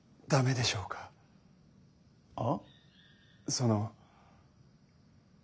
その。